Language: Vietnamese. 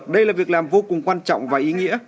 đây là việc làm vô cùng quan trọng và ý nghĩa